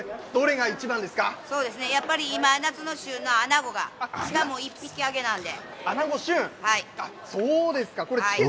そうですね、やっぱり今、夏の旬のアナゴが、しかも１匹揚げなんで。